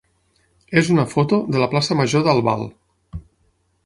és una foto de la plaça major d'Albal.